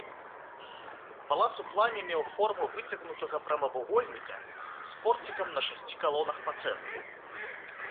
Палац у плане меў форму выцягнутага прамавугольніка з порцікам на шасці калонах па цэнтры.